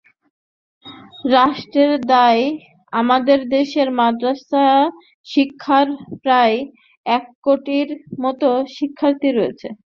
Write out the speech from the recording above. রাষ্ট্রের দায়আমাদের দেশে মাদ্রাসা শিক্ষায় প্রায় এক কোটির মতো শিক্ষার্থী রয়েছে।